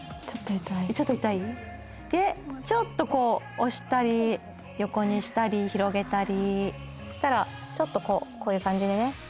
ちょっと痛い？でちょっとこう押したり横にしたり広げたりしたらちょっとこうこういう感じでね